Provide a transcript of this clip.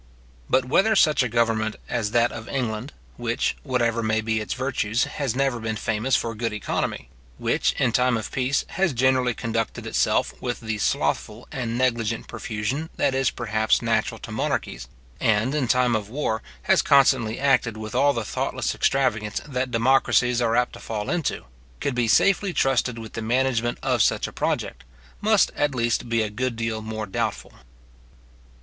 But whether such a government as that of England, which, whatever may be its virtues, has never been famous for good economy; which, in time of peace, has generally conducted itself with the slothful and negligent profusion that is, perhaps, natural to monarchies; and, in time of war, has constantly acted with all the thoughtless extravagance that democracies are apt to fall into, could be safely trusted with the management of such a project, must at least be a good deal more doubtful.